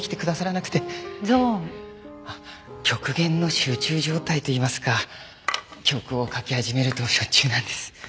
極限の集中状態と言いますか曲を書き始めるとしょっちゅうなんです。